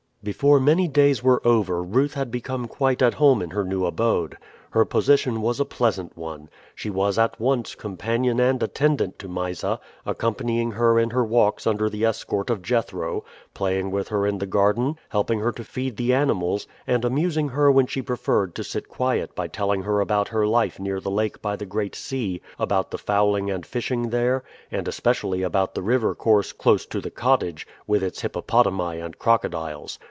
Before many days were over Ruth became quite at home in her new abode. Her position was a pleasant one. She was at once companion and attendant to Mysa, accompanying her in her walks under the escort of Jethro, playing with her in the garden, helping her to feed the animals, and amusing her when she preferred to sit quiet by telling her about her life near the lake by the Great Sea, about the fowling and fishing there, and especially about the river course close to the cottage, with its hippopotami and crocodiles.